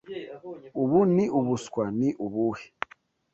Ubu ni ubuswa ni ubuhe?